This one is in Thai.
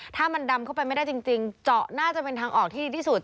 ถ้ามันดำเข้าไปไม่ได้จริงเจาะน่าจะเป็นทางออกที่ดีที่สุด